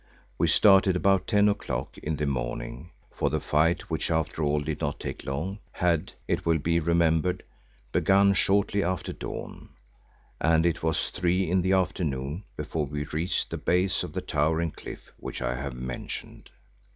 We started about ten o'clock in the morning, for the fight which after all did not take long—had, it will be remembered, begun shortly after dawn, and it was three in the afternoon before we reached the base of the towering cliff which I have mentioned.